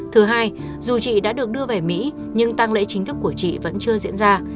thứ hai dù chị đã được đưa về mỹ nhưng tăng lễ chính thức của chị vẫn chưa diễn ra